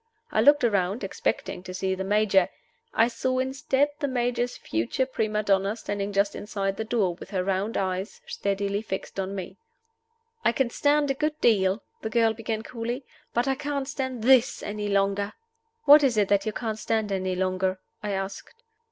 I looked around, expecting to see the Major. I saw instead the Major's future prima donna standing just inside the door, with her round eyes steadily fixed on me. "I can stand a good deal," the girl began, coolly, "but I can't stand this any longer?" "What is it that you can't stand any longer?" I asked.